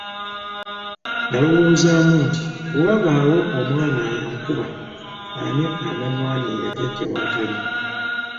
Nalowoozaamu nti bwe wabaawo omwana ankuba ani anannwanirira jjajja w'atali?